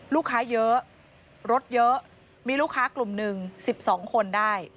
ลูกค้าเยอะรถเยอะมีลูกค้ากลุ่มหนึ่ง๑๒คนได้